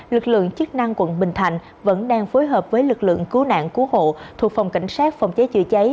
lực lượng chức năng quận bình thạnh vẫn đang phối hợp với lực lượng cứu nạn cứu hộ thuộc phòng cảnh sát phòng cháy chữa cháy